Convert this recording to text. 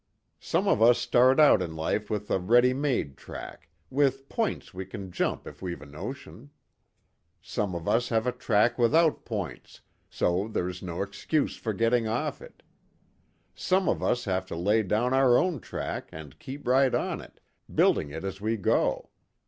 "Some of us start out in life with a ready made track, with 'points' we can jump if we've a notion. Some of us have a track without 'points,' so there's no excuse for getting off it. Some of us have to lay down our own track, and keep right on it, building it as we go.